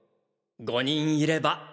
５人いれば。